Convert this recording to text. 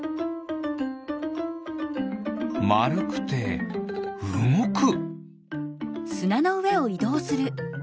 まるくてうごく。